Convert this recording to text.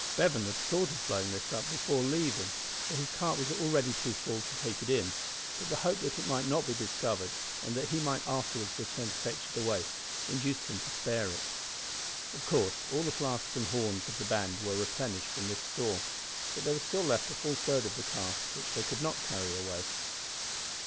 Bevan had thought of blowing this up before leaving, for his cart was already too full to take it in, but the hope that it might not be discovered, and that he might afterwards return to fetch it away, induced him to spare it. Of course all the flasks and horns of the band were replenished from this store, but there was still left a full third of the cask which they could not carry away.